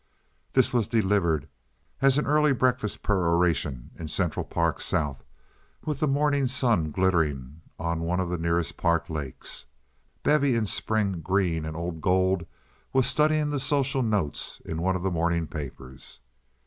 This was delivered as an early breakfast peroration in Central Park South, with the morning sun glittering on one of the nearest park lakes. Bevy, in spring green and old gold, was studying the social notes in one of the morning papers.